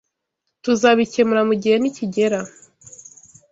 Tuzabikemura mugihe nikigera.